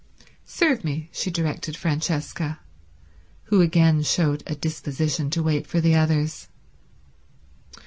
"Serve me," she directed Francesca, who again showed a disposition to wait for the others.